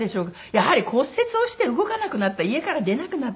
やはり骨折をして動かなくなった家から出なくなった。